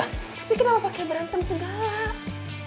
tapi kenapa pakai berantem segala